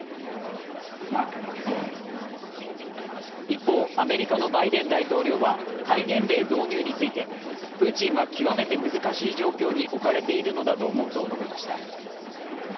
一方、アメリカのバイデン大統領は戒厳令導入についてプーチンは極めて難しい状況に置かれているのだと思うと述べました。